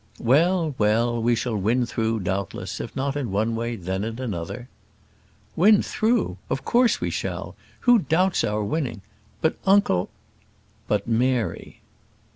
"Well, well; we shall win through, doubtless; if not in one way, then in another." "Win through! Of course we shall; who doubts our winning? but, uncle " "But, Mary."